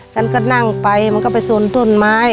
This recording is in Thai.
ฉันก็นั่งไปมันก็ไปสนต้นไม้